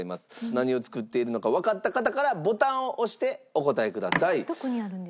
何を作っているのかわかった方からボタンを押してお答えください。